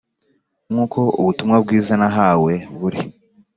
nk’uko ubutumwa bwiza nahawe buri.